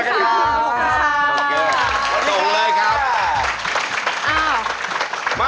โอเคครับถูกเลยครับอ้าว